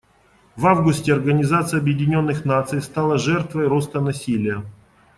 В августе Организация Объединенных Наций стала жертвой роста насилия.